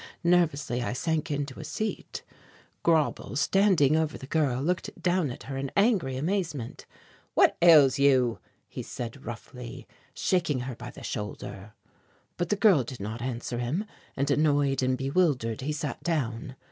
Nervously I sank into a seat. Grauble, standing over the girl, looked down at her in angry amazement. "What ails you?" he said roughly, shaking her by the shoulder. But the girl did not answer him and annoyed and bewildered, he sat down.